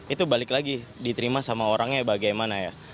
itu balik lagi diterima sama orangnya bagaimana ya